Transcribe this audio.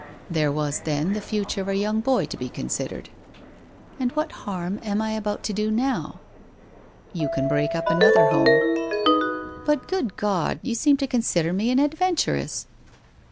' There was then the future of a young boy to be con sidered.' ' And what harm am I about to do now? '' You can break up another home.' * But, good God, you seem to consider me an adven turess.'